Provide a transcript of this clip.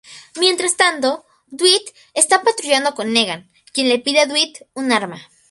Mientras tanto, Dwight está patrullando con Negan, quien le pide a Dwight un arma.